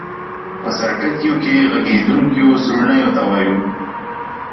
په سرټکیو کې غږېدونکیو سورڼیو ته وایو.